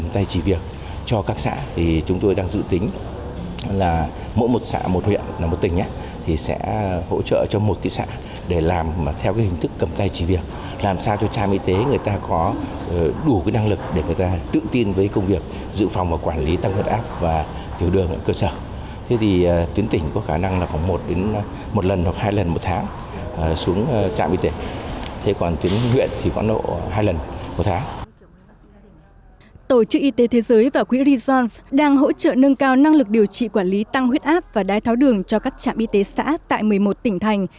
tổ chức y tế thế giới và quỹ resolve đang hỗ trợ nâng cao năng lực điều trị quản lý tăng huyết áp và đái tháo đường cho các trạm y tế xã tại một mươi một tỉnh thành